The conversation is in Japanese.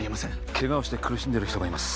ケガをして苦しんでる人がいます